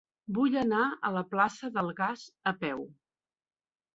Vull anar a la plaça del Gas a peu.